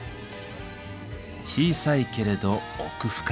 小さいけれど奥深い。